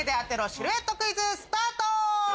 汁エットクイズスタート！